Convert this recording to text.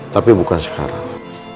tapi bukan sekarang